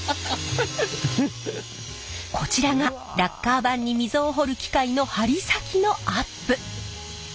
こちらがラッカー盤に溝を彫る機械の針先のアップ。